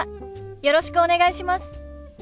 よろしくお願いします。